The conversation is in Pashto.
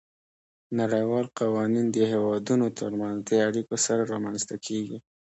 نړیوال قوانین د هیوادونو ترمنځ د اړیکو سره رامنځته کیږي